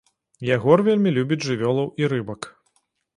Ягор вельмі любіць жывёлаў і рыбак.